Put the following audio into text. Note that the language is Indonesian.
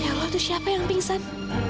ya allah tuh siapa yang pingsan